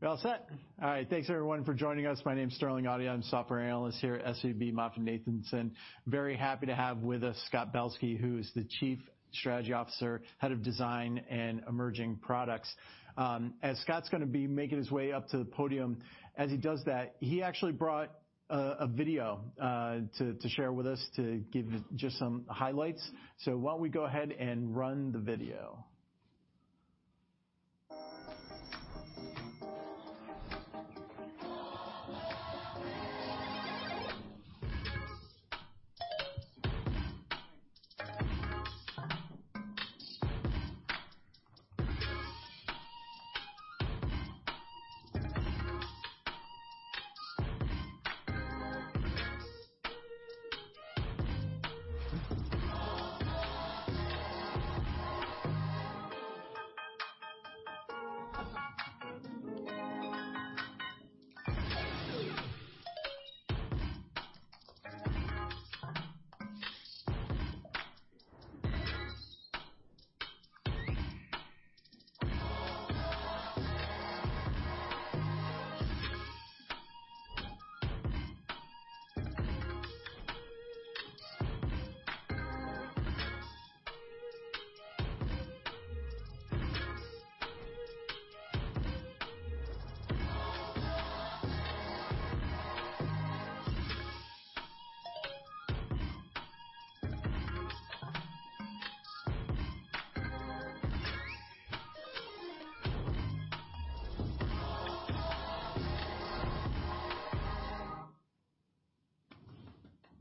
We all set? All right. Thanks everyone for joining us. My name is Sterling Auty. I'm a software analyst here at SVB MoffettNathanson. Very happy to have with us Scott Belsky, who is the Chief Strategy Officer, Head of Design and Emerging Products. As Scott's gonna be making his way up to the podium, as he does that, he actually brought a video to share with us to give just some highlights. Why don't we go ahead and run the video.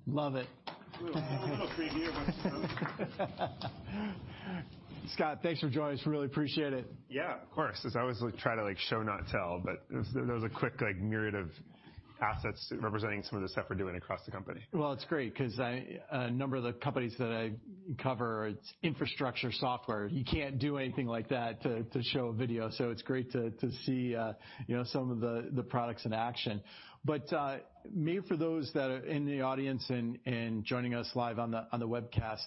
Love it. A little preview of what's to come. Scott, thanks for joining us, really appreciate it. Yeah, of course. As always, we try to, like, show, not tell, but that was a quick, like, myriad of assets representing some of the stuff we're doing across the company. Well, it's great 'cause a number of the companies that I cover, it's infrastructure software. You can't do anything like that to show a video, so it's great to see, you know, some of the products in action. Maybe for those that are in the audience and joining us live on the webcast,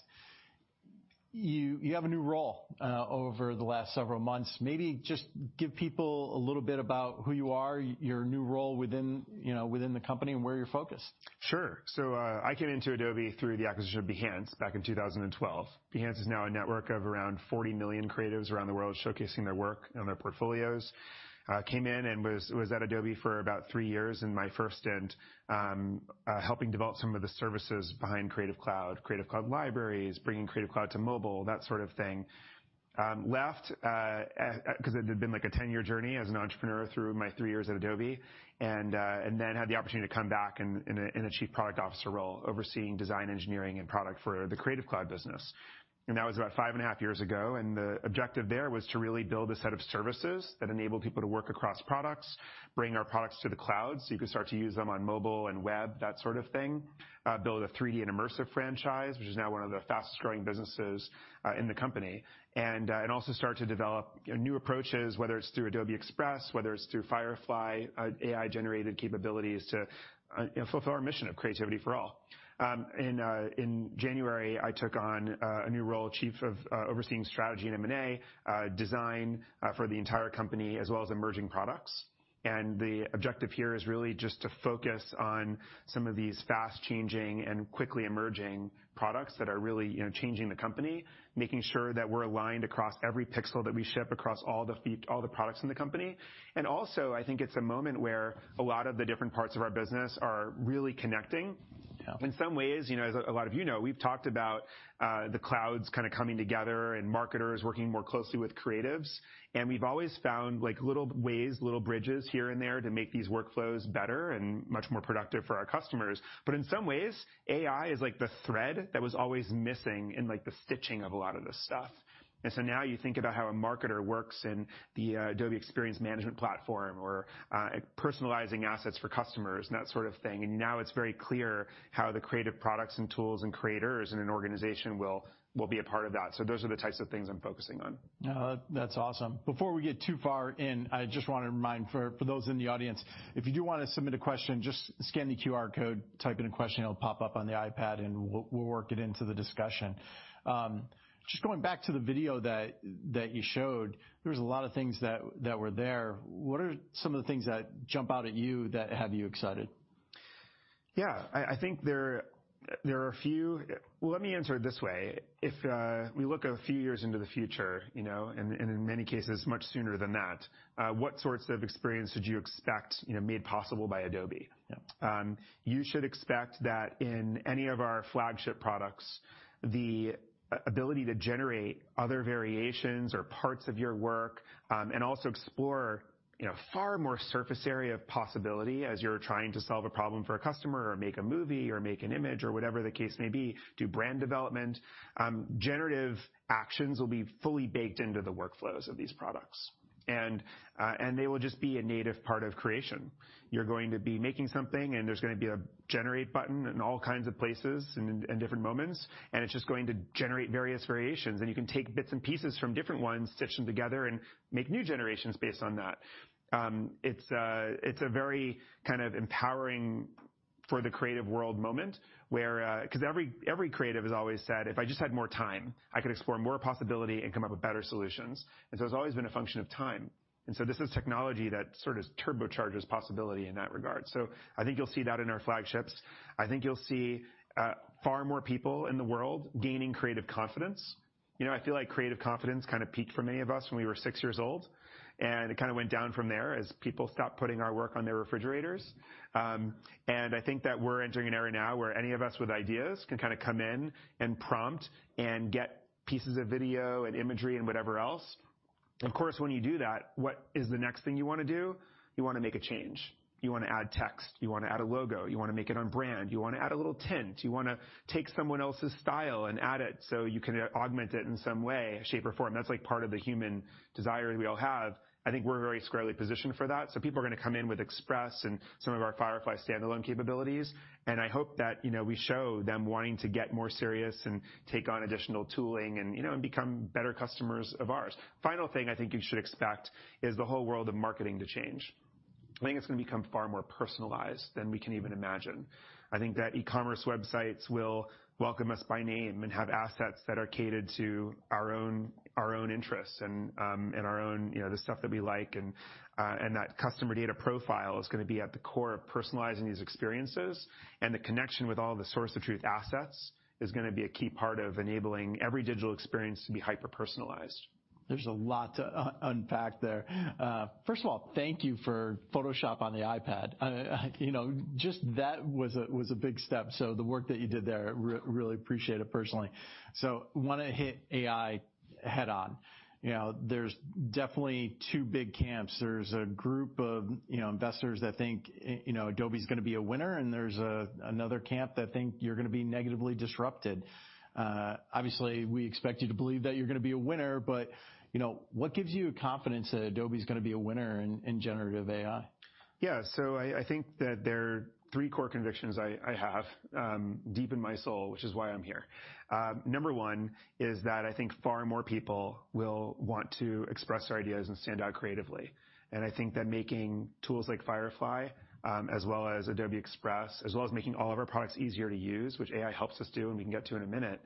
you have a new role over the last several months. Maybe just give people a little bit about who you are, your new role within, you know, within the company and where you're focused. Sure. I came into Adobe through the acquisition of Behance back in 2012. Behance is now a network of around 40 million creatives around the world showcasing their work and their portfolios. Came in and was at Adobe for about three years in my first stint, helping develop some of the services behind Creative Cloud, Creative Cloud Libraries, bringing Creative Cloud to mobile, that sort of thing. Left, 'cause it had been like a 10-year journey as an entrepreneur through my three years at Adobe. Had the opportunity to come back in a chief product officer role, overseeing design, engineering, and product for the Creative Cloud business. That was about five and a half years ago, and the objective there was to really build a set of services that enabled people to work across products, bring our products to the cloud, so you could start to use them on mobile and web, that sort of thing. Build a 3D and immersive franchise, which is now one of the fastest-growing businesses in the company. Also start to develop new approaches, whether it's through Adobe Express, whether it's through Firefly, AI-generated capabilities to, you know, fulfill our mission of creativity for all. In January, I took on a new role, chief of overseeing strategy and M&A, design for the entire company, as well as emerging products. The objective here is really just to focus on some of these fast-changing and quickly emerging products that are really, you know, changing the company, making sure that we're aligned across every pixel that we ship across all the products in the company. Also, I think it's a moment where a lot of the different parts of our business are really connecting. Yeah. In some ways, you know, as a lot of you know, we've talked about the clouds kind of coming together and marketers working more closely with creatives. We've always found, like, little ways, little bridges here and there to make these workflows better and much more productive for our customers. In some ways, AI is, like, the thread that was always missing in, like, the stitching of a lot of this stuff. Now you think about how a marketer works in the Adobe Experience Manager platform or personalizing assets for customers and that sort of thing. It's very clear how the creative products and tools and creators in an organization will be a part of that. Those are the types of things I'm focusing on. That's awesome. Before we get too far in, I just wanna remind for those in the audience, if you do wanna submit a question, just scan the QR code, type in a question, it'll pop up on the iPad, and we'll work it into the discussion. Just going back to the video that you showed, there was a lot of things that were there. What are some of the things that jump out at you that have you excited? Yeah. Well, let me answer it this way. If we look a few years into the future, you know, and in many cases, much sooner than that, what sorts of experience would you expect, you know, made possible by Adobe? Yeah. You should expect that in any of our flagship products, the ability to generate other variations or parts of your work, and also explore, you know, far more surface area of possibility as you're trying to solve a problem for a customer or make a movie or make an image or whatever the case may be, do brand development. Generative actions will be fully baked into the workflows of these products. They will just be a native part of creation. You're going to be making something, and there's gonna be a generate button in all kinds of places and different moments, and it's just going to generate various variations. You can take bits and pieces from different ones, stitch them together, and make new generations based on that. It's a very kind of empowering-For the creative world moment where 'cause every creative has always said, "If I just had more time, I could explore more possibility and come up with better solutions." It's always been a function of time. This is technology that sort of turbochargers possibility in that regard. I think you'll see that in our flagships. I think you'll see far more people in the world gaining creative confidence. You know, I feel like creative confidence kind of peaked for many of us when we were six years old, and it kind of went down from there as people stopped putting our work on their refrigerators. I think that we're entering an era now where any of us with ideas can kind of come in and prompt and get pieces of video and imagery and whatever else. Of course, when you do that, what is the next thing you wanna do? You wanna make a change. You wanna add text. You wanna add a logo. You wanna make it on brand. You wanna add a little tint. You wanna take someone else's style and add it so you can augment it in some way, shape, or form. That's like part of the human desire we all have. I think we're very squarely positioned for that, so people are going to come in with Adobe Express and some of our Firefly standalone capabilities, and I hope that, you know, we show them wanting to get more serious and take on additional tooling and, you know, and become better customers of ours. Final thing I think you should expect is the whole world of marketing to change. I think it's gonna become far more personalized than we can even imagine. I think that e-commerce websites will welcome us by name and have assets that are catered to our own, our own interests and our own, you know, the stuff that we like and that customer data profile is gonna be at the core of personalizing these experiences. The connection with all the source of truth assets is gonna be a key part of enabling every digital experience to be hyper-personalized. There's a lot to unpack there. First of all, thank you for Photoshop on the iPad. I you know, just that was a big step. The work that you did there, really appreciate it personally. Wanna hit AI head-on. You know, there's definitely two big camps. There's a group of, you know, investors that think, you know, Adobe's gonna be a winner, and there's another camp that think you're gonna be negatively disrupted. Obviously, we expect you to believe that you're gonna be a winner, but, you know, what gives you confidence that Adobe's gonna be a winner in generative AI? Yeah. I think that there are three core convictions I have deep in my soul, which is why I'm here. Number one is that I think far more people will want to express their ideas and stand out creatively. I think that making tools like Firefly, as well as Adobe Express, as well as making all of our products easier to use, which AI helps us do and we can get to in a minute,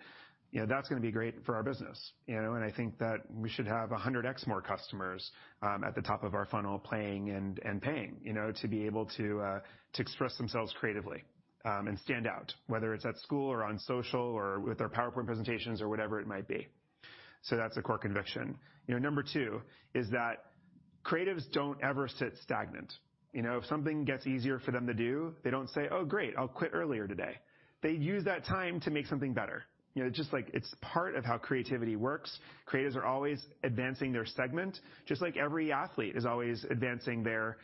you know, that's gonna be great for our business, you know? I think that we should have 100x more customers at the top of our funnel playing and paying, you know, to be able to express themselves creatively and stand out, whether it's at school or on social or with their PowerPoint presentations or whatever it might be. That's a core conviction. You know, number two is that creatives don't ever sit stagnant. You know? If something gets easier for them to do, they don't say, "Oh, great, I'll quit earlier today." They use that time to make something better. You know, just like it's part of how creativity works. Creatives are always advancing their segment, just like every athlete is always advancing their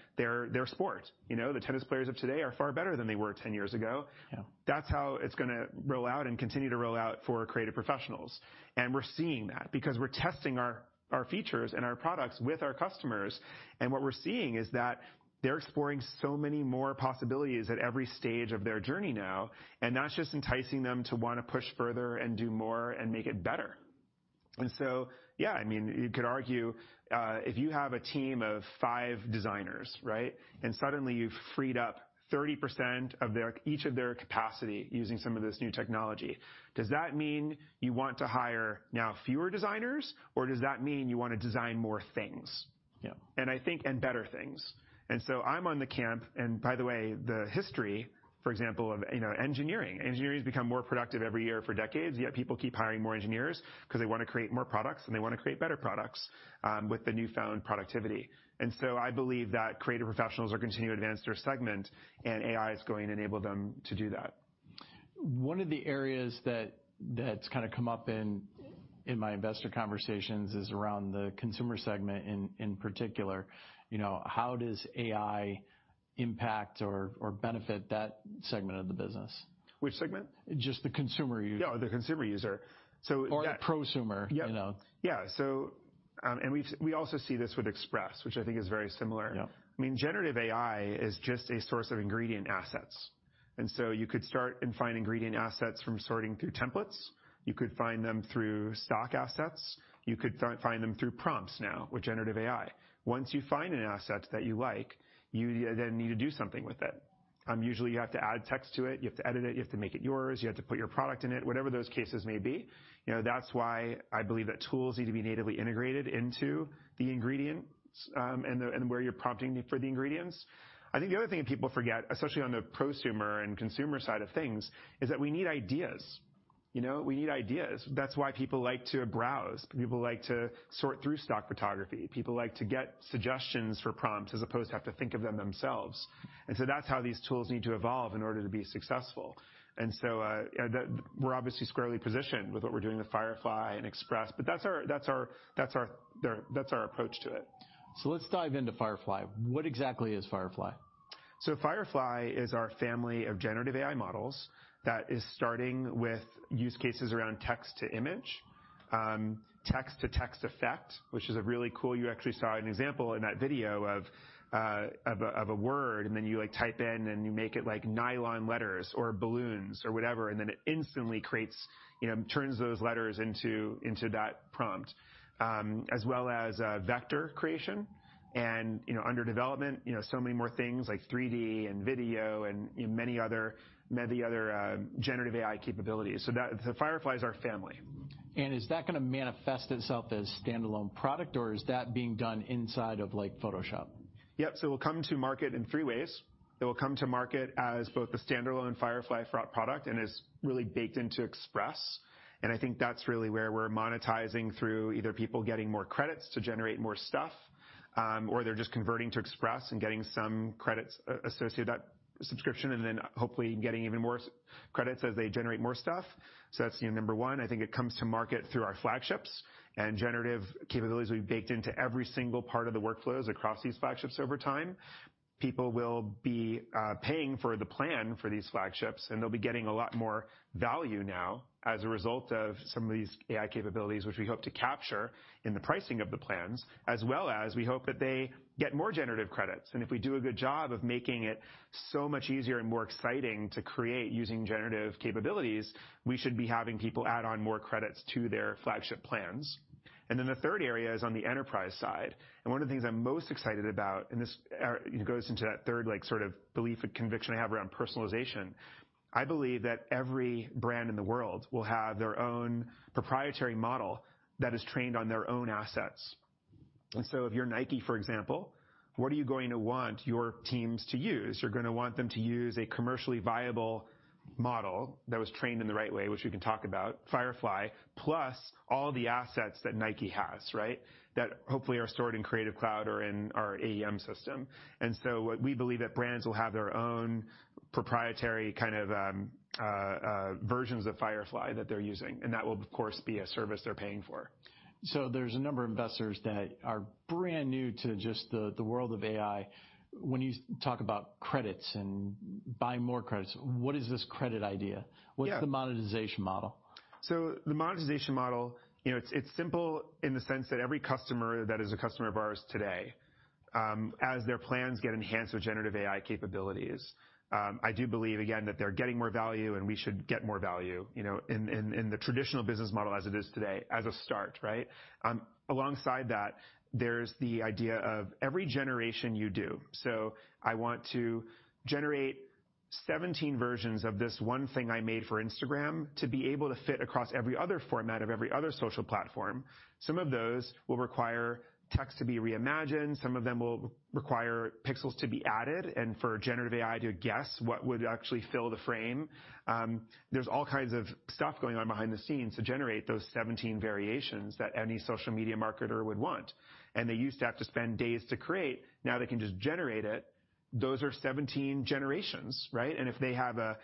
sport. You know, the tennis players of today are far better than they were 10 years ago. Yeah. That's how it's gonna roll out and continue to roll out for creative professionals. We're seeing that because we're testing our features and our products with our customers. What we're seeing is that they're exploring so many more possibilities at every stage of their journey now, that's just enticing them to wanna push further and do more and make it better. Yeah, I mean, you could argue, if you have a team of five designers, right? Suddenly you've freed up 30% of each of their capacity using some of this new technology, does that mean you want to hire now fewer designers, or does that mean you wanna design more things? Yeah. I think, and better things. I'm on the camp, and by the way, the history, for example, of, you know, engineering. Engineers become more productive every year for decades, yet people keep hiring more engineers 'cause they wanna create more products, and they wanna create better products, with the newfound productivity. I believe that creative professionals will continue to advance their segment, and AI is going to enable them to do that. One of the areas that's kinda come up in my investor conversations is around the consumer segment in particular. You know, how does AI impact or benefit that segment of the business? Which segment? Just the consumer user. Yeah, the consumer user. prosumer- Yeah ...you know. Yeah. We also see this with Express, which I think is very similar. Yeah. I mean, generative AI is just a source of ingredient assets. You could start and find ingredient assets from sorting through templates. You could find them through stock assets. You could find them through prompts now with generative AI. Once you find an asset that you like, you need to do something with it. Usually you have to add text to it, you have to edit it, you have to make it yours, you have to put your product in it, whatever those cases may be. You know, that's why I believe that tools need to be natively integrated into the ingredients, and where you're prompting for the ingredients. I think the other thing that people forget, especially on the prosumer and consumer side of things, is that we need ideas. You know? We need ideas. That's why people like to browse. People like to sort through stock photography. People like to get suggestions for prompts as opposed to have to think of them themselves. That's how these tools need to evolve in order to be successful. We're obviously squarely positioned with what we're doing with Firefly and Express, but that's our approach to it. Let's dive into Firefly. What exactly is Firefly? Firefly is our family of generative AI models that is starting with use cases around text to image. text-to-text effect, which is a really cool... You actually saw an example in that video of a word, and then you, like, type in and you make it like nylon letters or balloons or whatever, and then it instantly creates, you know, turns those letters into that prompt. As well as vector creation and, you know, under development, you know, so many more things like 3D and video and many other generative AI capabilities. Firefly is our family. Is that gonna manifest itself as standalone product or is that being done inside of like Photoshop? Yep. It will come to market in three ways. It will come to market as both the standalone Firefly product and is really baked into Express, and I think that's really where we're monetizing through either people getting more credits to generate more stuff, or they're just converting to Express and getting some credits associated with that subscription and then hopefully getting even more credits as they generate more stuff. That's, you know, number one. I think it comes to market through our flagships and generative capabilities will be baked into every single part of the workflows across these flagships over time. People will be paying for the plan for these flagships, and they'll be getting a lot more value now as a result of some of these AI capabilities which we hope to capture in the pricing of the plans, as well as we hope that they get more generative credits. If we do a good job of making it so much easier and more exciting to create using generative capabilities, we should be having people add on more credits to their flagship plans. The third area is on the enterprise side. One of the things I'm most excited about, and this, you know, goes into that third like sort of belief and conviction I have around personalization, I believe that every brand in the world will have their own proprietary model that is trained on their own assets. If you're Nike, for example, what are you going to want your teams to use? You're gonna want them to use a commercially viable model that was trained in the right way, which we can talk about, Firefly, plus all the assets that Nike has, right? That hopefully are stored in Creative Cloud or in our AEM system. What we believe that brands will have their own proprietary versions of Firefly that they're using, and that will of course be a service they're paying for. There's a number of investors that are brand new to just the world of AI. When you talk about credits and buying more credits, what is this credit idea? Yeah. What's the monetization model? The monetization model, you know, it's simple in the sense that every customer that is a customer of ours today, as their plans get enhanced with generative AI capabilities, I do believe again that they're getting more value and we should get more value, you know, in the traditional business model as it is today as a start, right? Alongside that, there's the idea of every generation you do. I want to generate 17 versions of this one thing I made for Instagram to be able to fit across every other format of every other social platform. Some of those will require text to be reimagined, some of them will require pixels to be added and for generative AI to guess what would actually fill the frame. There's all kinds of stuff going on behind the scenes to generate those 17 variations that any social media marketer would want. They used to have to spend days to create, now they can just generate it. Those are 17 generations, right? If they have a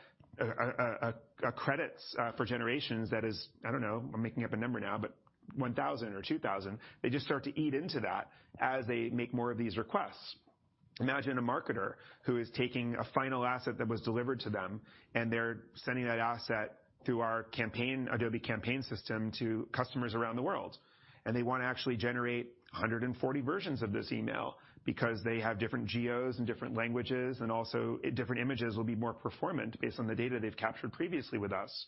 credits for generations that is, I don't know, I'm making up a number now, but 1,000 or 2,000, they just start to eat into that as they make more of these requests. Imagine a marketer who is taking a final asset that was delivered to them, and they're sending that asset through our Adobe Campaign system to customers around the world, they wanna actually generate 140 versions of this email because they have different geos and different languages and also different images will be more performant based on the data they've captured previously with us.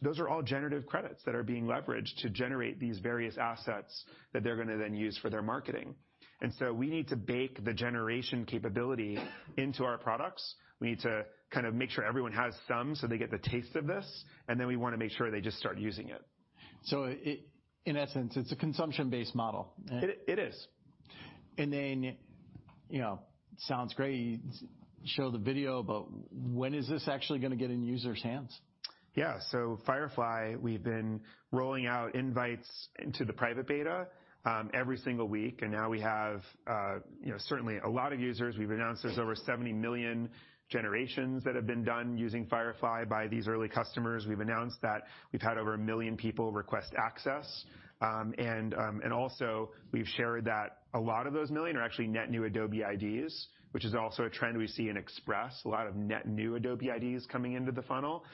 Those are all generative credits that are being leveraged to generate these various assets that they're gonna then use for their marketing. We need to bake the generation capability into our products. We need to kind of make sure everyone has some so they get the taste of this, then we wanna make sure they just start using it. In essence, it's a consumption-based model. It is. You know, sounds great. You show the video, but when is this actually gonna get in users' hands? Yeah. Firefly, we've been rolling out invites into the private beta every single week, and now we have, you know, certainly a lot of users. We've announced there's over 70 million generations that have been done using Firefly by these early customers. We've announced that we've had over 1 million people request access. Also we've shared that a lot of those 1 million are actually net new Adobe IDs, which is also a trend we see in Express, a lot of net new Adobe IDs coming into the funnel.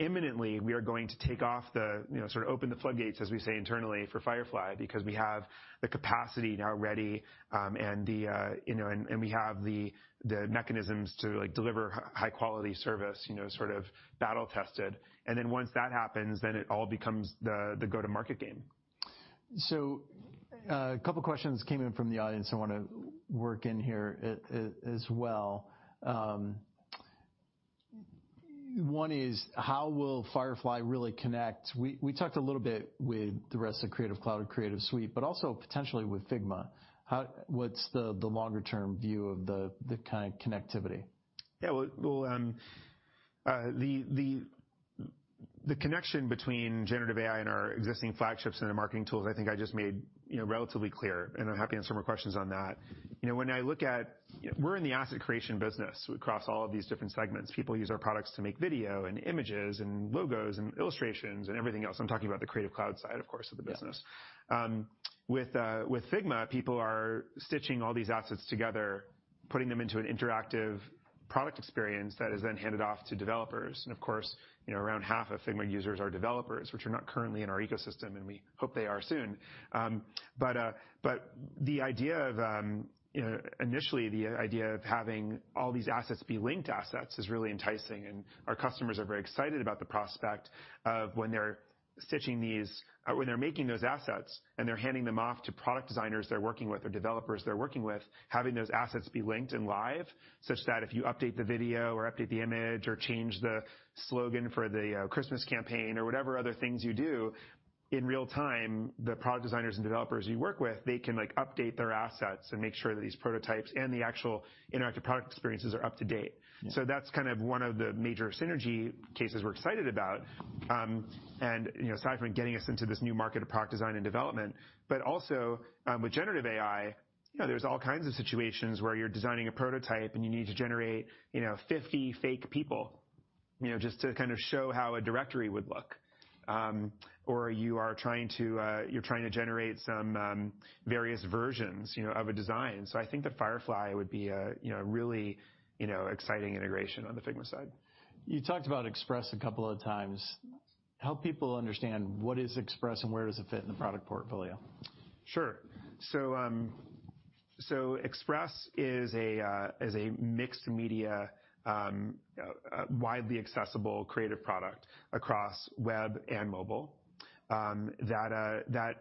Imminently we are going to take off the, you know, sort of open the floodgates, as we say internally, for Firefly because we have the capacity now ready, and the, you know, and we have the mechanisms to like deliver high quality service, you know, sort of battle tested. Once that happens, then it all becomes the go to market game. A couple questions came in from the audience I wanna work in here as well. One is, how will Firefly really connect? We talked a little bit with the rest of Creative Cloud or Creative Suite, but also potentially with Figma. What's the longer term view of the kind of connectivity? Yeah. Well, the connection between generative AI and our existing flagships and the marketing tools, I think I just made, you know, relatively clear, and I'm happy to answer more questions on that. You know, we're in the asset creation business across all of these different segments. People use our products to make video and images and logos and illustrations and everything else. I'm talking about the Creative Cloud side, of course, of the business. Yeah. With Figma, people are stitching all these assets together, putting them into an interactive product experience that is then handed off to developers. Of course, you know, around half of Figma users are developers, which are not currently in our ecosystem, and we hope they are soon. The idea of, you know, initially the idea of having all these assets be linked assets is really enticing, and our customers are very excited about the prospect of when they're stitching these... When they're making those assets, and they're handing them off to product designers they're working with or developers they're working with, having those assets be linked and live, such that if you update the video or update the image or change the slogan for the Christmas campaign or whatever other things you do, in real time, the product designers and developers you work with, they can, like, update their assets and make sure that these prototypes and the actual interactive product experiences are up to date. Yeah. That's kind of one of the major synergy cases we're excited about, and, you know, aside from getting us into this new market of product design and development, but also, with generative AI, you know, there's all kinds of situations where you're designing a prototype, and you need to generate, you know, 50 fake people, you know, just to kind of show how a directory would look. Or you are trying to, you're trying to generate some, various versions, you know, of a design. I think that Firefly would be a, you know, really, you know, exciting integration on the Figma side. You talked about Express a couple of times. Help people understand what is Express and where does it fit in the product portfolio? Sure. Express is a mixed media, widely accessible creative product across web and mobile, that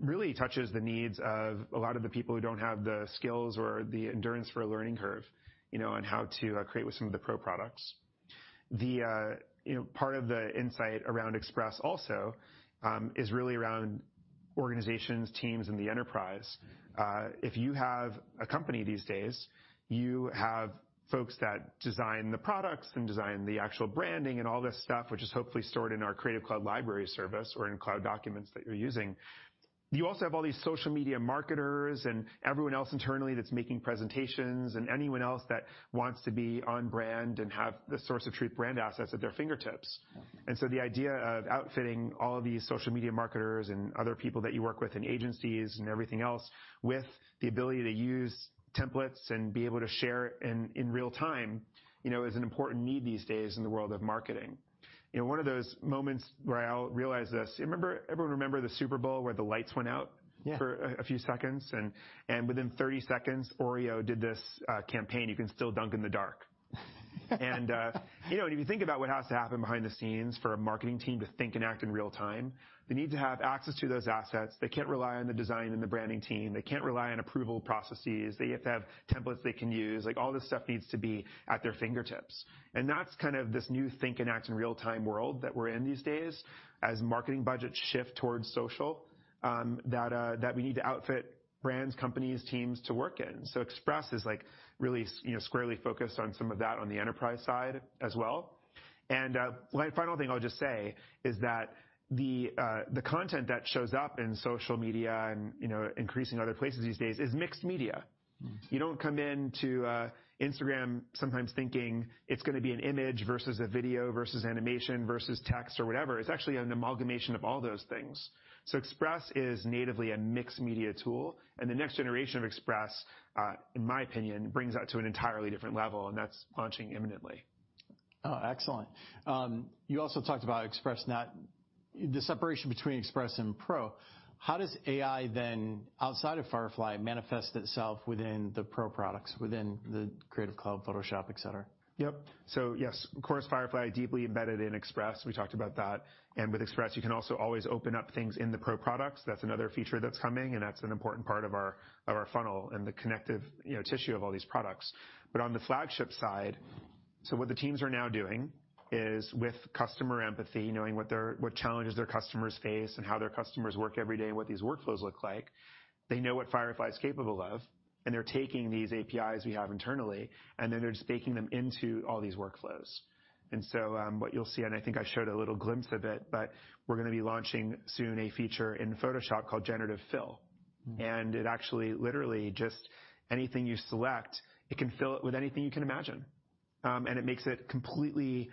really touches the needs of a lot of the people who don't have the skills or the endurance for a learning curve, you know, on how to create with some of the Pro products. The, you know, part of the insight around Express also, is really around organizations, teams, and the enterprise. If you have a company these days, you have folks that design the products and design the actual branding and all this stuff, which is hopefully stored in our Creative Cloud Library service or in cloud documents that you're using. You also have all these social media marketers and everyone else internally that's making presentations and anyone else that wants to be on brand and have the source of truth brand assets at their fingertips. The idea of outfitting all of these social media marketers and other people that you work with in agencies and everything else with the ability to use templates and be able to share in real time, you know, is an important need these days in the world of marketing. You know, one of those moments where I'll realize this, everyone remember the Super Bowl where the lights went out. Yeah. for a few seconds, and within 30 seconds, Oreo did this campaign, "You can still dunk in the dark." You know, if you think about what has to happen behind the scenes for a marketing team to think and act in real-time, they need to have access to those assets. They can't rely on the design and the branding team. They can't rely on approval processes. They have to have templates they can use. Like, all this stuff needs to be at their fingertips. That's kind of this new think and act in real-time world that we're in these days as marketing budgets shift towards social, that we need to outfit brands, companies, teams to work in. Express is, like, really you know, squarely focused on some of that on the enterprise side as well. One final thing I'll just say is that the content that shows up in social media and, you know, increasing other places these days is mixed media. You don't come into Instagram sometimes thinking it's gonna be an image versus a video versus animation versus text or whatever. It's actually an amalgamation of all those things. Express is natively a mixed media tool, and the next generation of Express, in my opinion, brings that to an entirely different level, and that's launching imminently. Oh, excellent. You also talked about the separation between Express and Pro. How does AI then, outside of Firefly, manifest itself within the Pro products, within the Creative Cloud, Photoshop, et cetera? Yep. Yes, of course, Firefly deeply embedded in Express. We talked about that. With Express, you can also always open up things in the Pro products. That's another feature that's coming, and that's an important part of our, of our funnel and the connective, you know, tissue of all these products. On the flagship side, what the teams are now doing is, with customer empathy, knowing what their, what challenges their customers face and how their customers work every day and what these workflows look like, they know what Firefly is capable of, they're taking these APIs we have internally, they're just baking them into all these workflows. What you'll see, I think I showed a little glimpse of it, we're gonna be launching soon a feature in Photoshop called Generative Fill. It actually, literally just anything you select, it can fill it with anything you can imagine. It makes it completely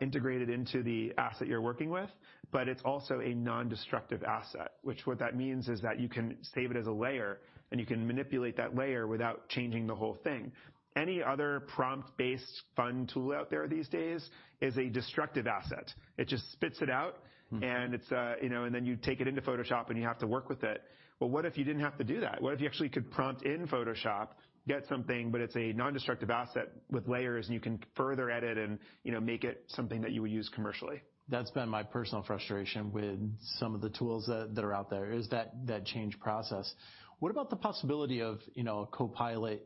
integrated into the asset you're working with, but it's also a non-destructive asset, which what that means is that you can save it as a layer, and you can manipulate that layer without changing the whole thing. Any other prompt-based fun tool out there these days is a destructive asset. It just spits it out- it's, you know, then you take it into Photoshop and you have to work with it. What if you didn't have to do that? What if you actually could prompt in Photoshop, get something, but it's a non-destructive asset with layers, and you can further edit and, you know, make it something that you would use commercially. That's been my personal frustration with some of the tools that are out there, is that change process. What about the possibility of, you know, a copilot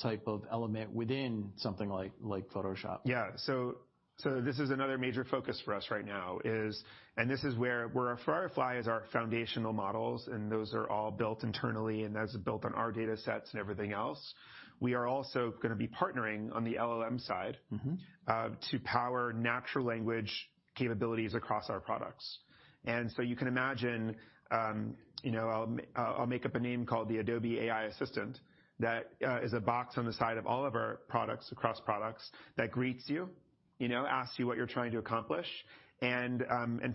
type of element within something like Photoshop? Yeah. This is another major focus for us right now, is. This is where our Firefly is our foundational models, and those are all built internally, and that's built on our data sets and everything else. We are also gonna be partnering on the LLM side. to power natural language capabilities across our products. You can imagine, you know, I'll make up a name called the Adobe AI Assistant that is a box on the side of all of our products across products. That greets you know, asks you what you're trying to accomplish, and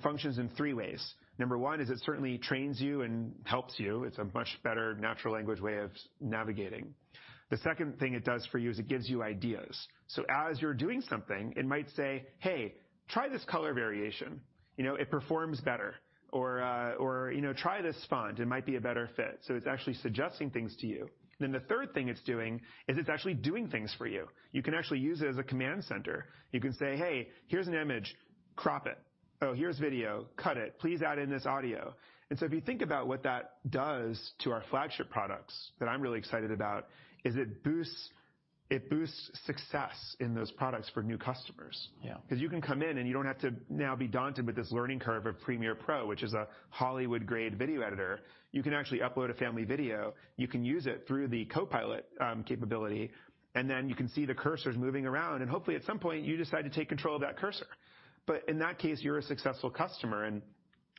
functions in three ways. Number one is it certainly trains you and helps you. It's a much better natural language way of navigating. The second thing it does for you is it gives you ideas. As you're doing something, it might say, "Hey, try this color variation," you know, "it performs better." Or, you know, "Try this font, it might be a better fit." So it's actually suggesting things to you. The third thing it's doing is it's actually doing things for you. You can actually use it as a command center. You can say, "Hey, here's an image, crop it." "Oh, here's video, cut it. Please add in this audio." If you think about what that does to our flagship products that I'm really excited about, is it boosts success in those products for new customers. Yeah. 'Cause you can come in, and you don't have to now be daunted with this learning curve of Premiere Pro, which is a Hollywood-grade video editor. You can actually upload a family video, you can use it through the copilot capability, and then you can see the cursors moving around, and hopefully, at some point, you decide to take control of that cursor. In that case, you're a successful customer.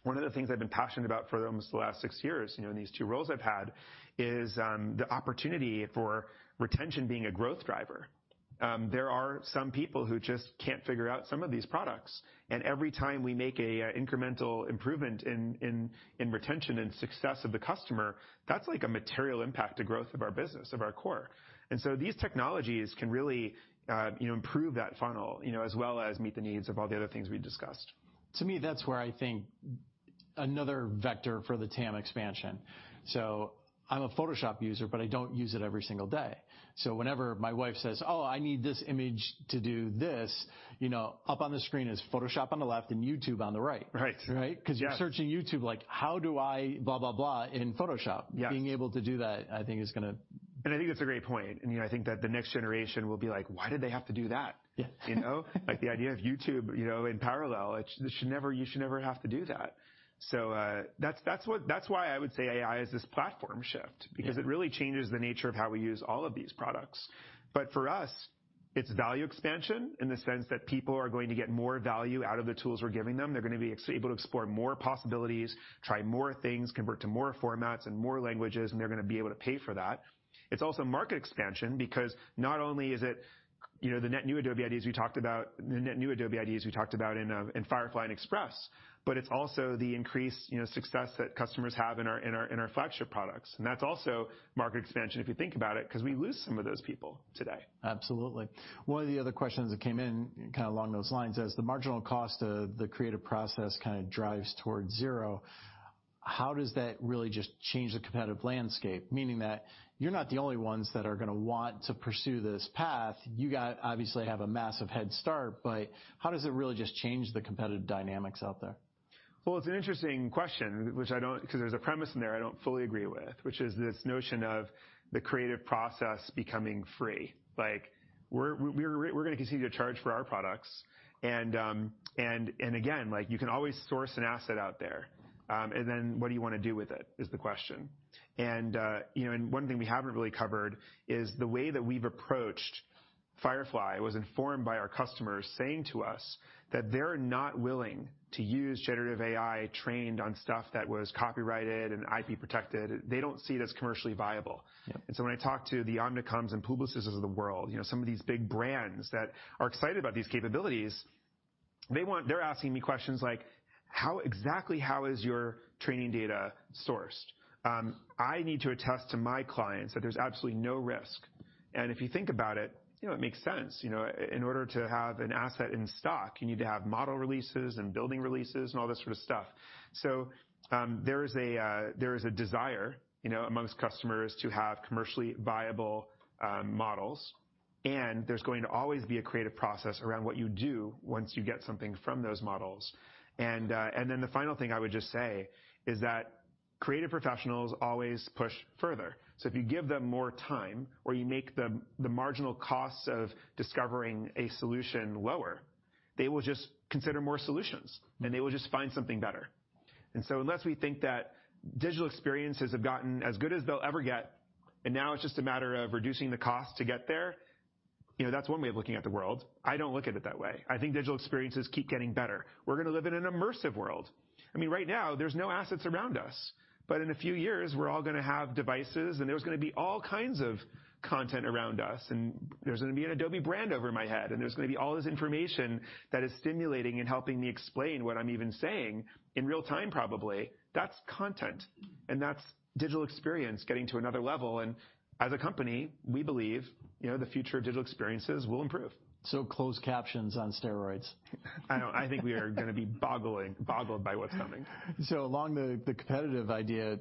One of the things I've been passionate about for almost the last six years, you know, in these two roles I've had, is the opportunity for retention being a growth driver. There are some people who just can't figure out some of these products, every time we make a incremental improvement in retention and success of the customer, that's like a material impact to growth of our business, of our core. These technologies can really, you know, improve that funnel, you know, as well as meet the needs of all the other things we discussed. To me, that's where I think another vector for the TAM expansion. I'm a Photoshop user, but I don't use it every single day. Whenever my wife says, "Oh, I need this image to do this," you know, up on the screen is Photoshop on the left and YouTube on the right. Right. Right? Yeah. 'Cause you're searching YouTube like, "How do I blah, blah in Photoshop? Yes. Being able to do that, I think is. I think that's a great point. You know, I think that the next generation will be like, "Why did they have to do that? Yeah. You know, like, the idea of YouTube, you know, in parallel, they should never have to do that. That's why I would say AI is this platform shift. Yeah. It really changes the nature of how we use all of these products. For us, it's value expansion in the sense that people are going to get more value out of the tools we're giving them. They're gonna be able to explore more possibilities, try more things, convert to more formats and more languages, and they're gonna be able to pay for that. It's also market expansion because not only is it, you know, the net new Adobe IDs we talked about in Firefly and Express, but it's also the increased, you know, success that customers have in our flagship products. That's also market expansion, if you think about it, 'cause we lose some of those people today. Absolutely. One of the other questions that came in kind of along those lines, as the marginal cost of the creative process kind of drives towards zero, how does that really just change the competitive landscape? Meaning that you're not the only ones that are gonna want to pursue this path. Obviously have a massive head start, but how does it really just change the competitive dynamics out there? Well, it's an interesting question, which I don't 'cause there's a premise in there I don't fully agree with, which is this notion of the creative process becoming free. Like, we're gonna continue to charge for our products. Again, like, you can always source an asset out there. Then what do you wanna do with it, is the question. You know, and one thing we haven't really covered is the way that we've approached Firefly was informed by our customers saying to us that they're not willing to use generative AI trained on stuff that was copyrighted and IP protected. They don't see it as commercially viable. Yeah. When I talk to the Omnicoms and Publicis of the world, you know, some of these big brands that are excited about these capabilities, they're asking me questions like, "How exactly how is your training data sourced? I need to attest to my clients that there's absolutely no risk." If you think about it, you know, it makes sense. In order to have an asset in stock, you need to have model releases and building releases and all this sort of stuff. There is a desire, you know, amongst customers to have commercially viable models, and there's going to always be a creative process around what you do once you get something from those models. The final thing I would just say is that creative professionals always push further. If you give them more time or you make the marginal costs of discovering a solution lower, they will just consider more solutions. They will just find something better. Unless we think that digital experiences have gotten as good as they'll ever get, and now it's just a matter of reducing the cost to get there, you know, that's one way of looking at the world. I don't look at it that way. I think digital experiences keep getting better. We're gonna live in an immersive world. I mean, right now there's no assets around us, but in a few years, we're all gonna have devices, and there's gonna be all kinds of content around us, and there's gonna be an Adobe brand over my head, and there's gonna be all this information that is stimulating and helping me explain what I'm even saying in real time probably. That's content, and that's digital experience getting to another level. As a company, we believe, you know, the future of digital experiences will improve. closed captions on steroids. I think we are gonna be boggled by what's coming. Along the competitive idea,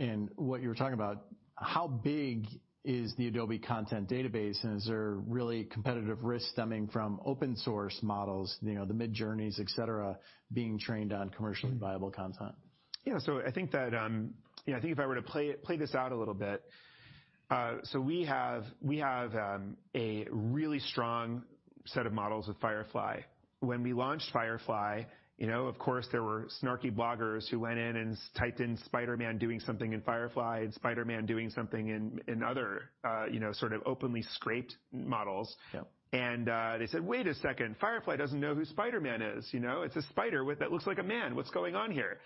and what you were talking about, how big is the Adobe content database, and is there really competitive risk stemming from open source models, you know, the Midjourneys, et cetera, being trained on commercially viable content? Yeah. I think that, Yeah, I think if I were to play this out a little bit, so we have a really strong set of models with Firefly. When we launched Firefly, you know, of course there were snarky bloggers who went in and typed in "Spider-Man doing something in Firefly" and "Spider-Man doing something in other," you know, sort of openly scraped models. Yeah. They said, "Wait a second, Firefly doesn't know who Spider-Man is," you know. "It's a spider that looks like a man. What's going on here?"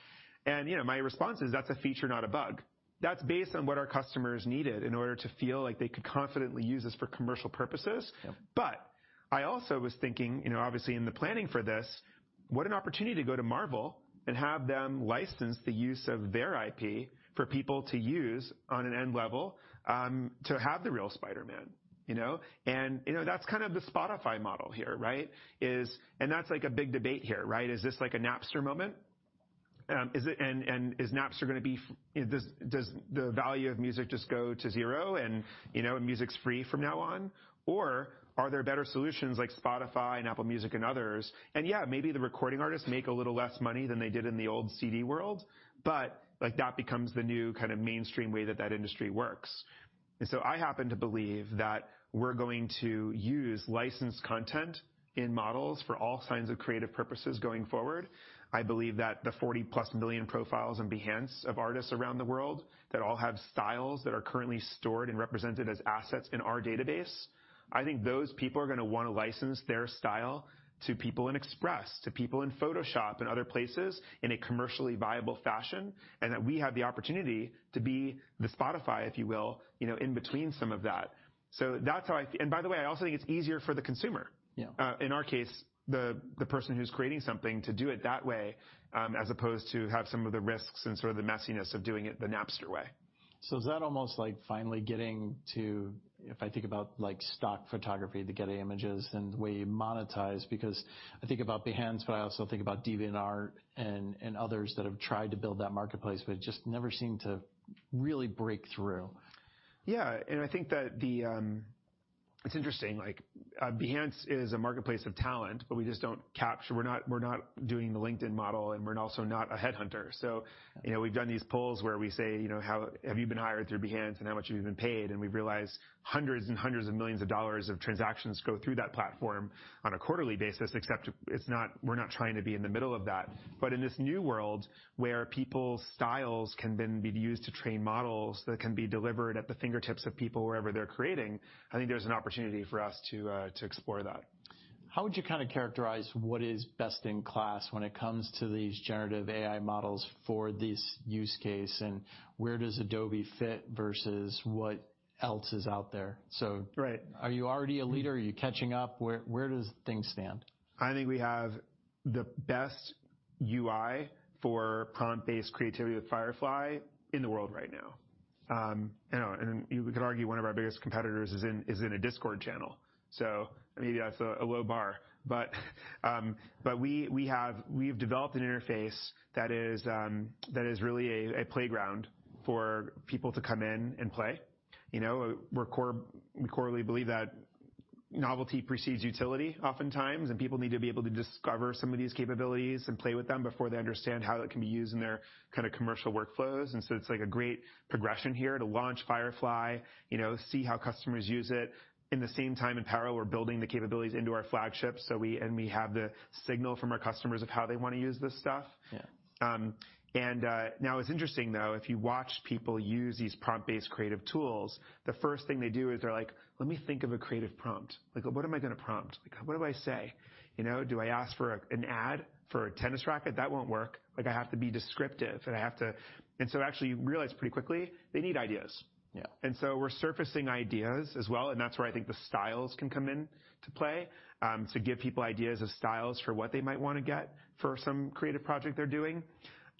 You know, my response is, "That's a feature, not a bug." That's based on what our customers needed in order to feel like they could confidently use this for commercial purposes. Yeah. I also was thinking, you know, obviously in the planning for this, what an opportunity to go to Marvel and have them license the use of their IP for people to use on an end level, to have the real Spider-Man, you know? You know, that's kind of the Spotify model here, right? That's, like, a big debate here, right? Is this like a Napster moment? Does the value of music just go to zero and, you know, music's free from now on? Are there better solutions like Spotify and Apple Music and others? Yeah, maybe the recording artists make a little less money than they did in the old CD world, but, like, that becomes the new kind of mainstream way that industry works. I happen to believe that we're going to use licensed content in models for all signs of creative purposes going forward. I believe that the 40-plus million profiles in Behance of artists around the world that all have styles that are currently stored and represented as assets in our database, I think those people are gonna wanna license their style to people in Express, to people in Photoshop and other places in a commercially viable fashion, and that we have the opportunity to be the Spotify, if you will, you know, in between some of that. By the way, I also think it's easier for the consumer. Yeah. In our case, the person who's creating something to do it that way, as opposed to have some of the risks and sort of the messiness of doing it the Napster way. Is that almost, like, finally getting to, if I think about, like stock photography, the Getty Images and the way you monetize, because I think about Behance, but I also think about DeviantArt and others that have tried to build that marketplace, but it just never seemed to really break through? Yeah. I think that the. It's interesting. Like, Behance is a marketplace of talent. We're not doing the LinkedIn model. We're also not a headhunter. You know, we've done these polls where we say, you know, "Have you been hired through Behance, how much have you been paid?" We've realized hundreds of millions of dollars of transactions go through that platform on a quarterly basis, except we're not trying to be in the middle of that. In this new world, where people's styles can then be used to train models that can be delivered at the fingertips of people wherever they're creating, I think there's an opportunity for us to explore that. How would you kinda characterize what is best in class when it comes to these generative AI models for this use case, and where does Adobe fit versus what else is out there? Right. Are you already a leader? Are you catching up? Where does things stand? I think we have the best UI for prompt-based creativity with Firefly in the world right now. You know, you could argue one of our biggest competitors is in a Discord channel. Maybe that's a low bar. We've developed an interface that is really a playground for people to come in and play. You know, we corely believe that novelty precedes utility oftentimes, and people need to be able to discover some of these capabilities and play with them before they understand how it can be used in their kinda commercial workflows. It's, like, a great progression here to launch Firefly, you know, see how customers use it. In the same time and parallel, we're building the capabilities into our flagship. We... We have the signal from our customers of how they want to use this stuff. Yeah. Now it's interesting, though, if you watch people use these prompt-based creative tools, the first thing they do is they're like, "Let me think of a creative prompt. Like, what am I gonna prompt? Like, what do I say?" You know? "Do I ask for an ad for a tennis racket? That won't work. Like, I have to be descriptive, and I have to actually you realize pretty quickly they need ideas. Yeah. We're surfacing ideas as well, and that's where I think the styles can come in to play, to give people ideas of styles for what they might wanna get for some creative project they're doing.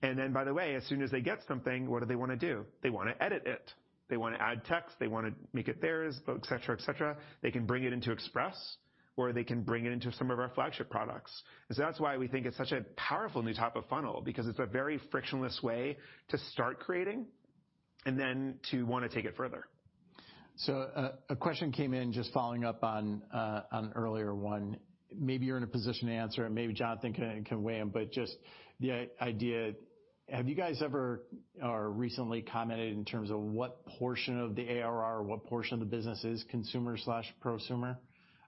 Then, by the way, as soon as they get something, what do they wanna do? They wanna edit it. They wanna add text, they wanna make it theirs, et cetera, et cetera. They can bring it into Express, or they can bring it into some of our flagship products. That's why we think it's such a powerful new top-of-funnel, because it's a very frictionless way to start creating, and then to wanna take it further. A question came in just following up on an earlier one. Maybe you're in a position to answer it, maybe Jonathan can weigh in, but just the idea, have you guys ever or recently commented in terms of what portion of the ARR or what portion of the business is consumer/prosumer?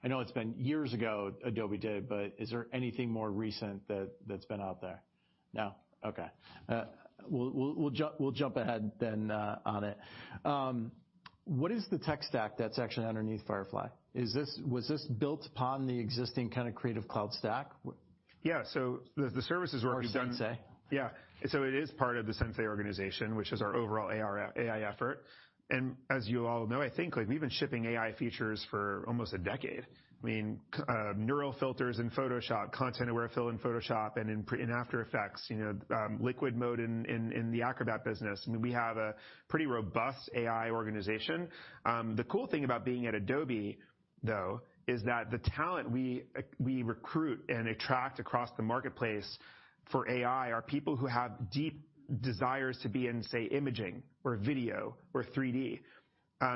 I know it's been years ago Adobe did, is there anything more recent that's been out there? No? Okay. We'll jump ahead then on it. What is the tech stack that's actually underneath Firefly? Was this built upon the existing kinda Creative Cloud stack? Yeah. the services. Sensei? It is part of the Sensei organization, which is our overall AI effort. As you all know, I think, like, we've been shipping AI features for almost a decade. I mean, Neural Filters in Photoshop, Content-Aware Fill in Photoshop and in After Effects, you know, Liquid Mode in the Acrobat business. I mean, we have a pretty robust AI organization. The cool thing about being at Adobe, though, is that the talent we recruit and attract across the marketplace for AI are people who have deep desires to be in, say, imaging or video or 3D.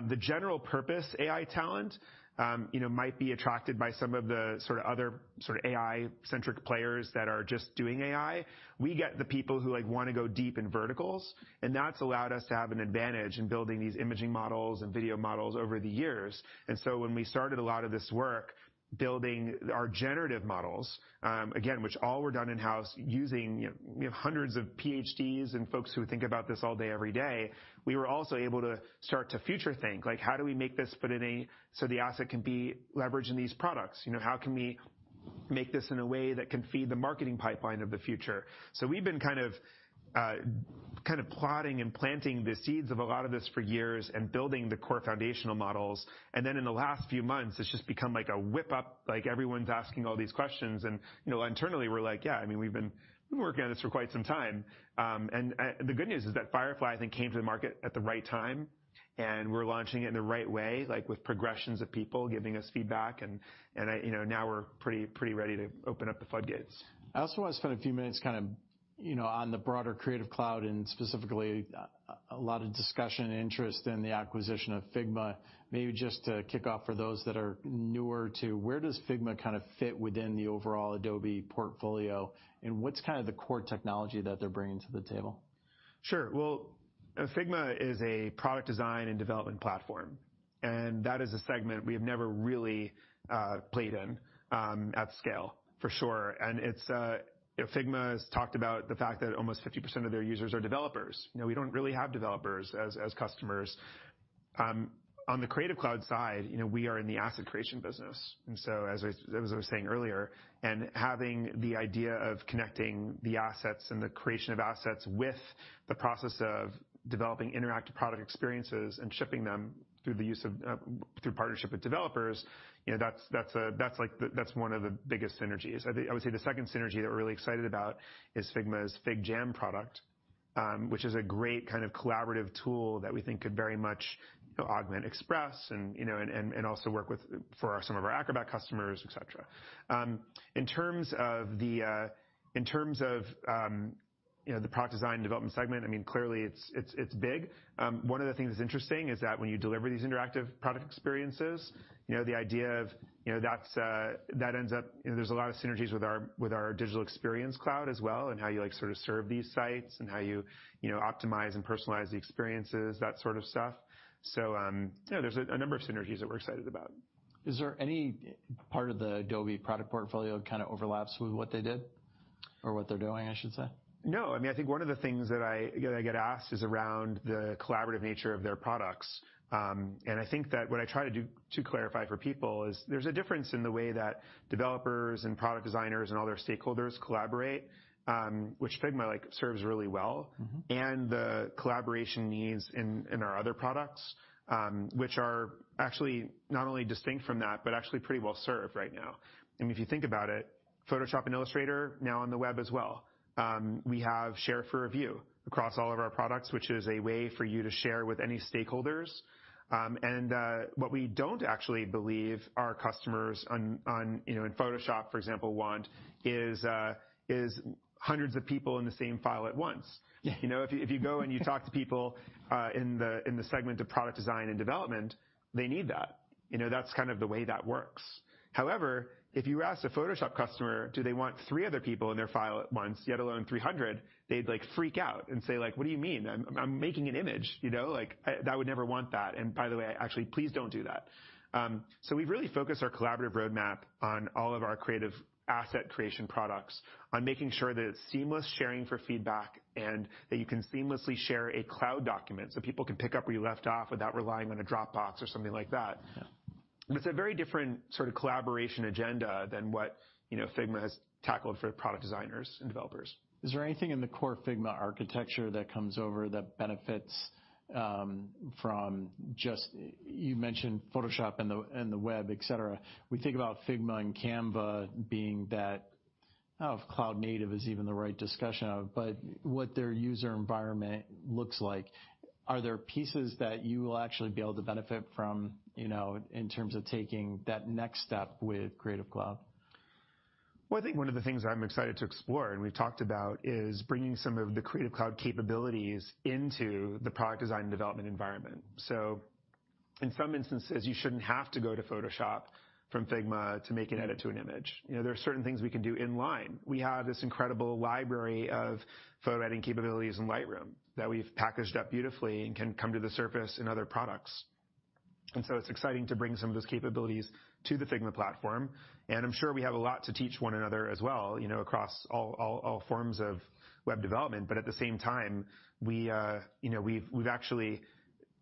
The general purpose AI talent, you know, might be attracted by some of the sorta other sorta AI-centric players that are just doing AI. We get the people who, like, wanna go deep in verticals, and that's allowed us to have an advantage in building these imaging models and video models over the years. When we started a lot of this work building our generative models, again, which all were done in-house using, you know, hundreds of PhDs and folks who think about this all day, every day, we were also able to start to future think, like, how do we make this fit in so the asset can be leveraged in these products? You know, Make this in a way that can feed the marketing pipeline of the future. We've been kind of plotting and planting the seeds of a lot of this for years and building the core foundational models. In the last few months, it's just become like a whip up, like, everyone's asking all these questions, and you know, internally, we're like, "Yeah, I mean, we've been working on this for quite some time." The good news is that Firefly, I think, came to the market at the right time, and we're launching it in the right way, like, with progressions of people giving us feedback, and I, you know, now we're pretty ready to open up the floodgates. I also want to spend a few minutes kind of, you know, on the broader Creative Cloud and specifically a lot of discussion and interest in the acquisition of Figma. Maybe just to kick off for those that are newer to where does Figma kind of fit within the overall Adobe portfolio? What's kind of the core technology that they're bringing to the table? Sure. Well, Figma is a product design and development platform, that is a segment we have never really played in at scale for sure. It's, you know, Figma has talked about the fact that almost 50% of their users are developers. You know, we don't really have developers as customers. On the Creative Cloud side, you know, we are in the asset creation business, as I was saying earlier, having the idea of connecting the assets and the creation of assets with the process of developing interactive product experiences and shipping them through the use of through partnership with developers, you know, that's a, that's like the, that's one of the biggest synergies. I would say the second synergy that we're really excited about is Figma's FigJam product, which is a great kind of collaborative tool that we think could very much, you know, augment Express and, you know, and also work for some of our Acrobat customers, et cetera. In terms of the, in terms of, you know, the product design and development segment, I mean, clearly it's big. One of the things that's interesting is that when you deliver these interactive product experiences, you know, the idea of, you know, that ends up. You know, there's a lot of synergies with our Experience Cloud as well, and how you, like, sort of serve these sites and how you know, optimize and personalize the experiences, that sort of stuff. You know, there's a number of synergies that we're excited about. Is there any part of the Adobe product portfolio kind of overlaps with what they did or what they're doing, I should say? No. I mean, I think one of the things that I, you know, I get asked is around the collaborative nature of their products. I think that what I try to do to clarify for people is there's a difference in the way that developers and product designers and other stakeholders collaborate, which Figma, like, serves really well. The collaboration needs in our other products, which are actually not only distinct from that, but actually pretty well served right now. I mean, if you think about it, Photoshop and Illustrator now on the web as well. We have Share for Review across all of our products, which is a way for you to share with any stakeholders. What we don't actually believe our customers on, you know, in Photoshop, for example, want is hundreds of people in the same file at once. Yeah. You know, if you go and you talk to people in the segment of product design and development, they need that. You know, that's kind of the way that works. However, if you ask a Photoshop customer, do they want three other people in their file at once, let alone 300, they'd, like, freak out and say, like, "What do you mean? I'm making an image," you know? Like, "I would never want that. By the way, actually, please don't do that." So we've really focused our collaborative roadmap on all of our creative asset creation products on making sure that it's seamless sharing for feedback and that you can seamlessly share a cloud document so people can pick up where you left off without relying on a Dropbox or something like that. Yeah. It's a very different sort of collaboration agenda than what, you know, Figma has tackled for product designers and developers. Is there anything in the core Figma architecture that comes over that benefits? You mentioned Photoshop and the, and the web, et cetera. We think about Figma and Canva being that, I don't know if cloud native is even the right discussion of, but what their user environment looks like. Are there pieces that you will actually be able to benefit from, you know, in terms of taking that next step with Creative Cloud? I think one of the things that I'm excited to explore and we've talked about is bringing some of the Creative Cloud capabilities into the product design and development environment. In some instances, you shouldn't have to go to Photoshop from Figma to make an edit to an image. You know, there are certain things we can do in line. We have this incredible library of photo editing capabilities in Lightroom that we've packaged up beautifully and can come to the surface in other products. It's exciting to bring some of those capabilities to the Figma platform, and I'm sure we have a lot to teach one another as well, you know, across all forms of web development. At the same time, we, you know, we've actually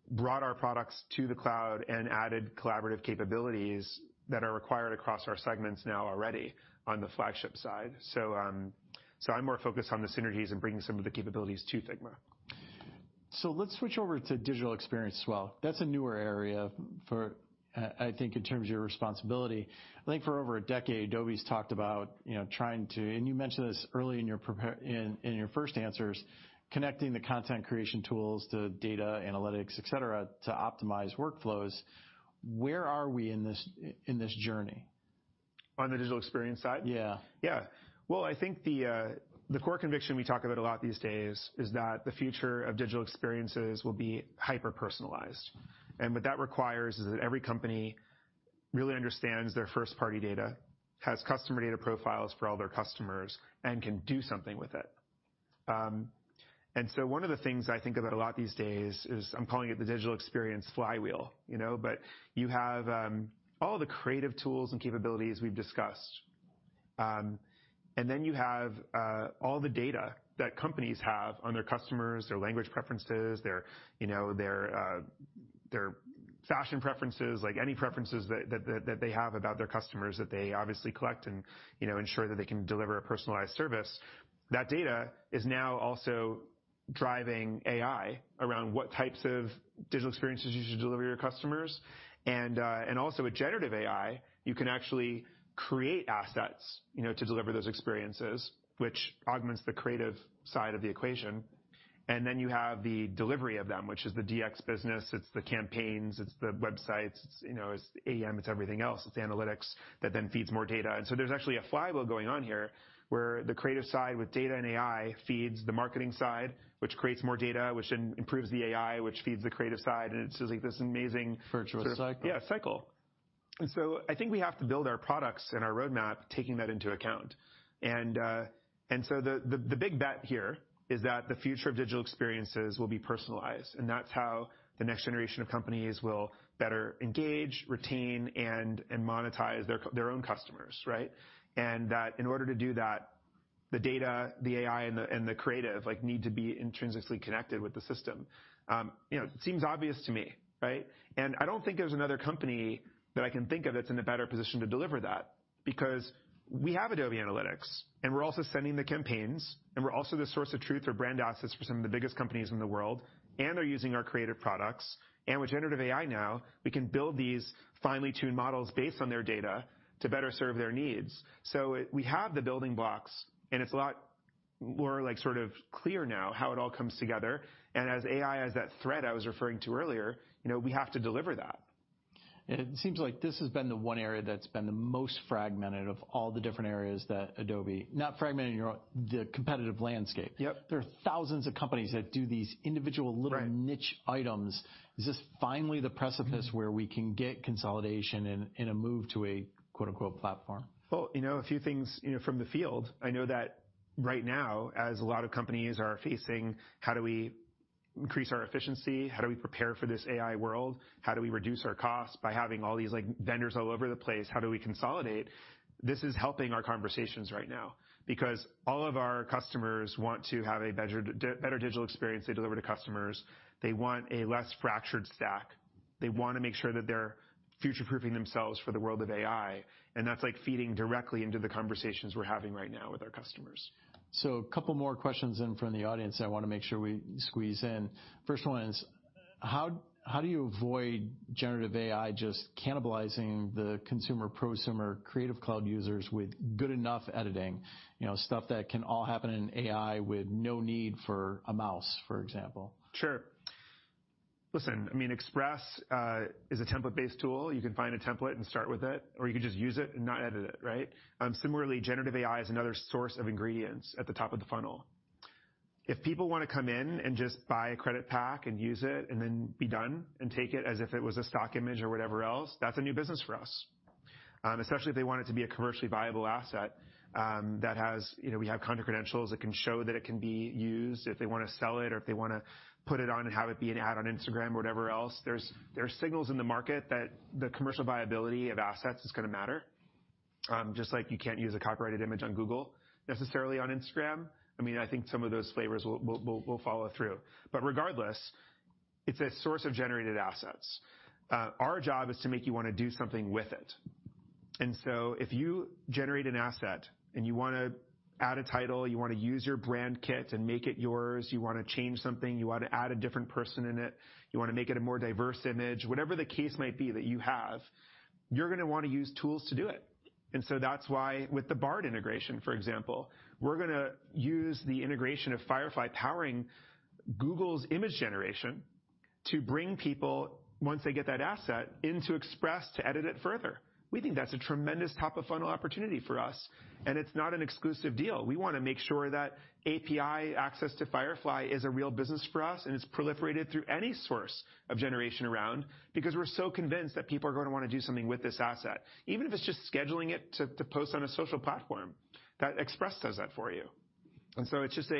brought our products to the cloud and added collaborative capabilities that are required across our segments now already on the flagship side. I'm more focused on the synergies and bringing some of the capabilities to Figma. Let's switch over to digital experience as well. That's a newer area for, I think in terms of your responsibility. I think for over a decade, Adobe's talked about, you know, trying to, and you mentioned this early in your first answers, connecting the content creation tools to data analytics, et cetera, to optimize workflows. Where are we in this in this journey? On the digital experience side? Yeah. Yeah. Well, I think the core conviction we talk about a lot these days is that the future of digital experiences will be hyper-personalized. What that requires is that every company really understands their first-party data, has customer data profiles for all their customers, and can do something with it. One of the things I think about a lot these days is, I'm calling it the digital experience flywheel, you know. You have all the creative tools and capabilities we've discussed. You have all the data that companies have on their customers, their language preferences, their, you know, their fashion preferences, like any preferences that they have about their customers that they obviously collect and, you know, ensure that they can deliver a personalized service. That data is now also driving AI around what types of digital experiences you should deliver your customers, and also with generative AI, you can actually create assets, you know, to deliver those experiences, which augments the creative side of the equation. You have the delivery of them, which is the DX business, it's the campaigns, it's the websites, you know, it's AEM, it's everything else, it's analytics that then feeds more data. There's actually a flywheel going on here, where the creative side with data and AI feeds the marketing side, which creates more data, which then improves the AI, which feeds the creative side, and it's just like this amazing- Virtuous cycle. Yeah, cycle. I think we have to build our products and our roadmap taking that into account. The, the big bet here is that the future of digital experiences will be personalized, and that's how the next generation of companies will better engage, retain, and monetize their own customers, right? That in order to do that, the data, the AI, and the, and the creative, like, need to be intrinsically connected with the system. You know, it seems obvious to me, right? I don't think there's another company that I can think of that's in a better position to deliver that, because we have Adobe Analytics, and we're also sending the campaigns, and we're also the source of truth for brand assets for some of the biggest companies in the world, and they're using our creative products, and with generative AI now, we can build these finely tuned models based on their data to better serve their needs. We have the building blocks, and it's a lot more, like, sort of clear now how it all comes together. As AI, as that thread I was referring to earlier, you know, we have to deliver that. It seems like this has been the one area that's been the most fragmented of all the different areas that Adobe, not fragmented, you know, the competitive landscape. Yep. There are thousands of companies that do these individual little- Right. niche items. Is this finally the precipice where we can get consolidation in a move to a quote unquote "platform"? You know, a few things, you know, from the field. I know that right now, as a lot of companies are facing, "How do we increase our efficiency? How do we prepare for this AI world? How do we reduce our costs by having all these, like, vendors all over the place? How do we consolidate?" This is helping our conversations right now, because all of our customers want to have a better digital experience they deliver to customers. They want a less fractured stack. They wanna make sure that they're future-proofing themselves for the world of AI, and that's, like, feeding directly into the conversations we're having right now with our customers. A couple more questions in from the audience I wanna make sure we squeeze in. First one is, how do you avoid generative AI just cannibalizing the consumer, prosumer Creative Cloud users with good enough editing? You know, stuff that can all happen in AI with no need for a mouse, for example. Sure. Listen, I mean, Adobe Express is a template-based tool. You can find a template and start with it, or you can just use it and not edit it, right? Similarly, generative AI is another source of ingredients at the top of the funnel. If people wanna come in and just buy a credit pack and use it, and then be done, and take it as if it was a stock image or whatever else, that's a new business for us. Especially if they want it to be a commercially viable asset, that has, you know, we have Content Credentials that can show that it can be used if they wanna sell it, or if they wanna put it on and have it be an ad on Instagram or whatever else. There's signals in the market that the commercial viability of assets is gonna matter. Just like you can't use a copyrighted image on Google, necessarily on Instagram. I mean, I think some of those flavors will follow through. Regardless, it's a source of generated assets. Our job is to make you wanna do something with it. If you generate an asset and you wanna add a title, you wanna use your brand kit and make it yours, you wanna change something, you wanna add a different person in it, you wanna make it a more diverse image, whatever the case might be that you have, you're gonna wanna use tools to do it. That's why with the Bard integration, for example, we're gonna use the integration of Firefly powering Google's image generation to bring people, once they get that asset, into Express to edit it further. We think that's a tremendous top-of-funnel opportunity for us, and it's not an exclusive deal. We wanna make sure that API access to Firefly is a real business for us, and it's proliferated through any source of generation around, because we're so convinced that people are gonna wanna do something with this asset. Even if it's just scheduling it to post on a social platform, that. Express does that for you. It's just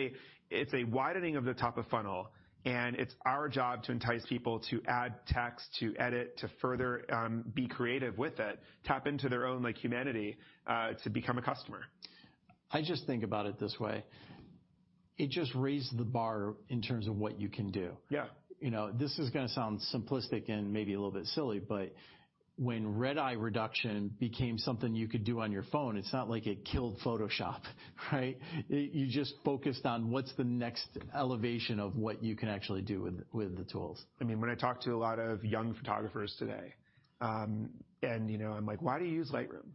a widening of the top of funnel, and it's our job to entice people to add text, to edit, to further be creative with it, tap into their own, like, humanity, to become a customer. I just think about it this way. It just raised the bar in terms of what you can do. Yeah. You know, this is gonna sound simplistic and maybe a little bit silly, but when red eye reduction became something you could do on your phone, it's not like it killed Photoshop, right? You just focused on what's the next elevation of what you can actually do with the tools. I mean, when I talk to a lot of young photographers today, and you know, I'm like, "Why do you use Lightroom?"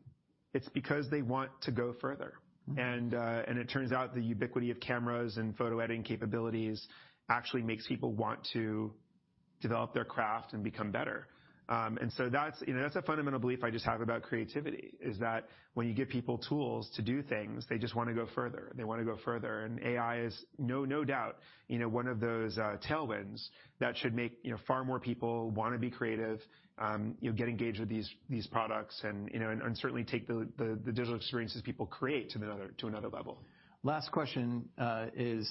It's because they want to go further. It turns out the ubiquity of cameras and photo editing capabilities actually makes people want to develop their craft and become better. That's, you know, that's a fundamental belief I just have about creativity, is that when you give people tools to do things, they just wanna go further, and AI is no doubt, you know, one of those tailwinds that should make, you know, far more people wanna be creative, you know, get engaged with these products and, you know, and certainly take the digital experiences people create to another level. Last question, is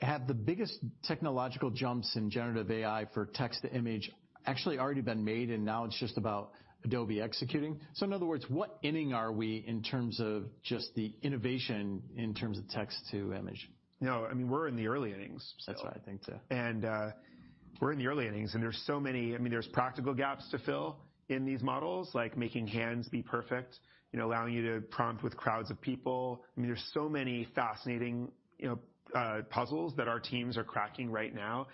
have the biggest technological jumps in generative AI for text to image actually already been made and now it's just about Adobe executing? In other words, what inning are we in terms of just the innovation in terms of text to image? No, I mean, we're in the early innings still. That's what I think too. We're in the early innings, and there's so many... I mean, there's practical gaps to fill in these models, like making hands be perfect, you know, allowing you to prompt with crowds of people. I mean, there's so many fascinating, you know, puzzles that our teams are cracking right now.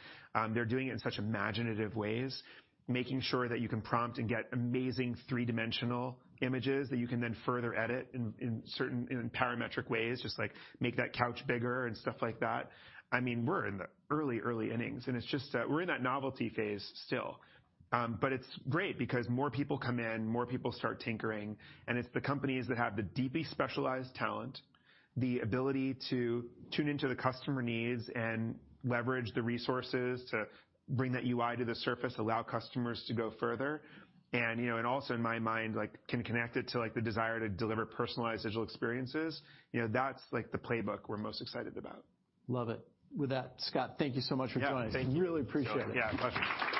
They're doing it in such imaginative ways, making sure that you can prompt and get amazing three-dimensional images that you can then further edit in certain parametric ways, just, like, make that couch bigger and stuff like that. I mean, we're in the early innings, and it's just, we're in that novelty phase still. It's great because more people come in, more people start tinkering. It's the companies that have the deeply specialized talent, the ability to tune into the customer needs and leverage the resources to bring that UI to the surface, allow customers to go further and, you know, also in my mind, like, can connect it to, like, the desire to deliver personalized digital experiences. You know, that's, like, the playbook we're most excited about. Love it. With that, Scott, thank you so much for joining. Yeah. Thank you. Really appreciate it. Yeah, pleasure.